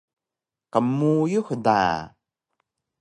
Qmuyux da